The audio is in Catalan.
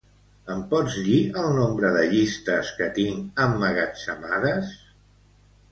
Em pots dir el nombre de llistes que tinc emmagatzemades?